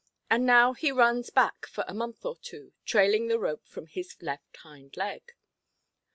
And now he runs back for a month or two, trailing the rope from his left hind–leg.